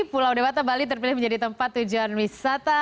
pulau dewata bali terpilih menjadi tempat tujuan wisata